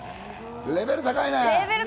レベル高いね。